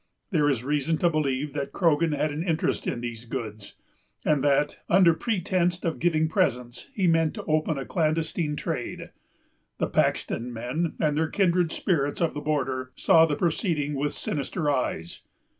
There is reason to believe that Croghan had an interest in these goods, and that, under pretence of giving presents, he meant to open a clandestine trade. The Paxton men, and their kindred spirits of the border, saw the proceeding with sinister eyes.